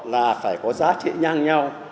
là phải có giá trị nhang nhau